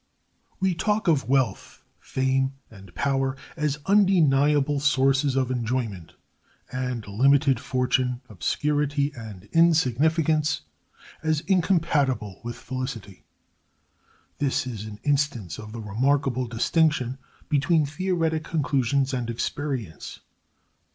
We talk of wealth, fame, and power as undeniable sources of enjoyment; and limited fortune, obscurity, and insignificance as incompatible with felicity. This is an instance of the remarkable distinction between theoretic conclusions and experience.